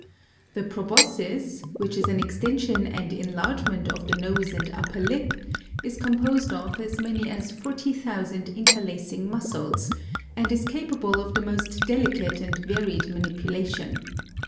The proboscis, which is an extension and enlargement of the nose and upper lip, is composed of as many as forty thousand interlacing muscles, and is capable of the most delicate and varied manipulation.